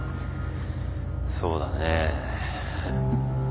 そうだね。